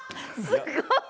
すごい！